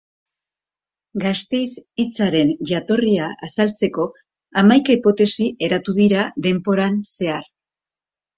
Gasteiz hitzaren jatorria azaltzeko hamaika hipotesi eratu dira denboran zehar.